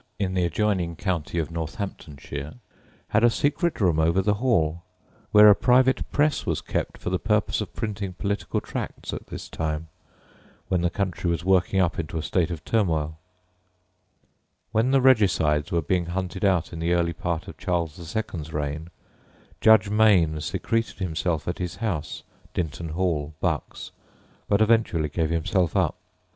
_] The old dower house of Fawsley, not many miles to the north east of Broughton, in the adjoining county of Northamptonshire, had a secret room over the hall, where a private press was kept for the purpose of printing political tracts at this time, when the country was working up into a state of turmoil. When the regicides were being hunted out in the early part of Charles II.'s reign, Judge Mayne secreted himself at his house, Dinton Hall, Bucks, but eventually gave himself up.